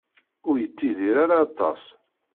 Ur yettidir ara aṭas.